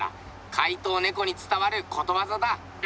怪盗ねこに伝わることわざだ。